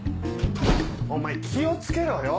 お前気を付けろよ？